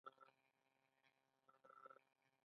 ایا د غوږونو ستونزه لرئ؟